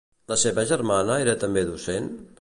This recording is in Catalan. La seva germana era també docent?